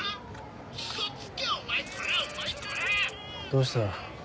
どうした？